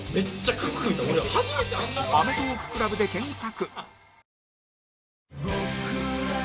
「アメトーーク ＣＬＵＢ」で検索